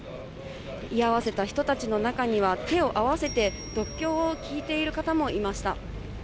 居合わせた人たちの中には、手を合わせて、読経を聞いている方もいました。